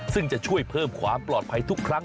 ซึ่งจะช่วยเพิ่มความปลอดภัยทุกครั้ง